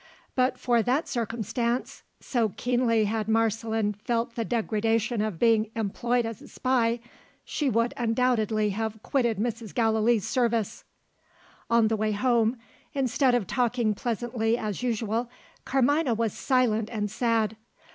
But for that circumstance so keenly had Marceline felt the degradation of being employed as a spy she would undoubtedly have quitted Mrs. Gallilee's service. On the way home, instead of talking pleasantly as usual, Carmina was silent and sad.